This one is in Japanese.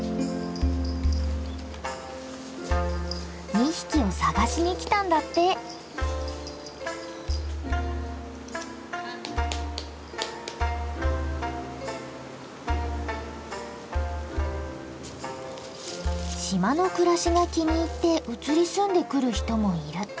２匹を捜しに来たんだって。島の暮らしが気に入って移り住んでくる人もいる。